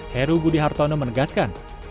heru gudihartono menegaskan